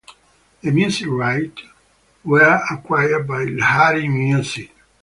The music rights were acquired by Lahari Music.